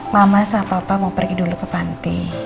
mama sama papa mau pergi dulu ke panti